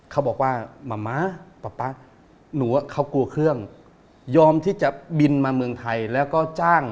เขาบอกว่ามะม้าป๊าป๊าหนูว่าเขากลัวเครื่องยอมที่จะบินมาเมืองไทยแล้วก็จ้าง